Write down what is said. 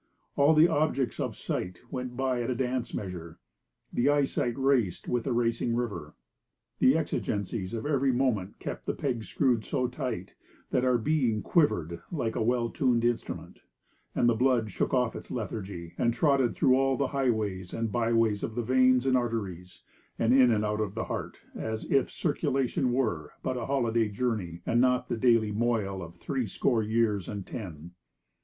All the objects of sight went by at a dance measure; the eyesight raced with the racing river; the exigencies of every moment kept the pegs screwed so tight, that our being quivered like a well tuned instrument; and the blood shook off its lethargy, and trotted through all the highways and byways of the veins and arteries, and in and out of the heart, as if circulation were but a holiday journey, and not the daily moil of threescore years and ten.